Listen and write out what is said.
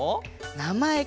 なまえか。